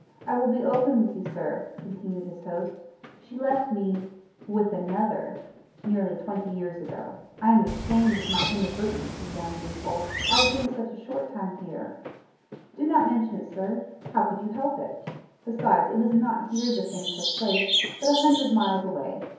"I will be open with you sir," continued his host: "she left me with another nearly twenty years ago." "I am ashamed of my inadvertence," rejoined Wingfold. "I have been such a short time here, and " "Do not mention it, sir. How could you help it? Besides, it was not here the thing took place, but a hundred miles away.